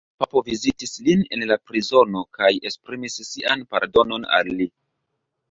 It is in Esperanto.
La papo vizitis lin en la prizono kaj esprimis sian pardonon al li.